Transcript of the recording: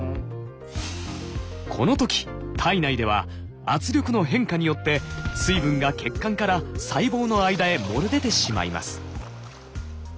この時体内では圧力の変化によって水分が血管から細胞の間へ漏れ出てしまいます。